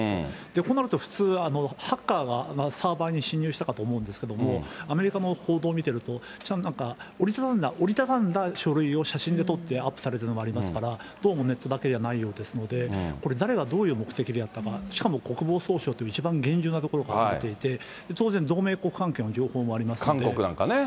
こうなると普通、ハッカーがサーバーに侵入したかと思うんですけれども、アメリカの報道見てると、折り畳んだ書類を写真で撮ってアップされてるのがありますから、どうもネットだけじゃないようなので、これ、誰がどういう目的でやったのか、しかも国防総省という一番厳重な所から出ていて、当然、韓国なんかね。